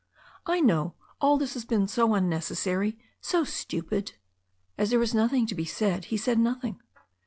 "I know. All this has been so unnecessary, so stupid." As there was nothing to be said, he said nothing.